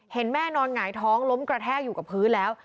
เห็นแม่นอนหงายท้องล้มกระแทกอยู่กับพื้นแล้ว